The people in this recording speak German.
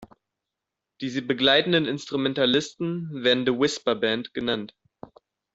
Die sie begleitenden Instrumentalisten werden "The Whisper Band" genannt.